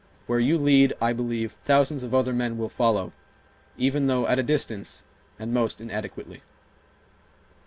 Where you lead, I believe, thousands of other men will follow, even though at a distance, and most inadequately